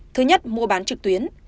thứ nhất mua bán trực tuyến